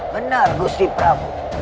benar gusti prabu